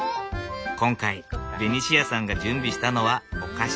今回ベニシアさんが準備したのはお菓子。